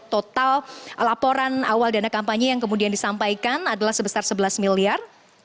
total laporan awal dana kampanye yang kemudian disampaikan adalah sebesar sebelas miliar